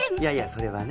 それはね